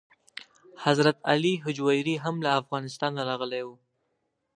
حضرت علي هجویري هم له افغانستانه راغلی و.